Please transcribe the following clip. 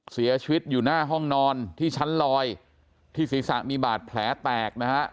เสียชีวิตอยู่หน้าห้องนอนที่ชั้นลอยที่ศีรษะมีบาดแผลแตกนะฮะ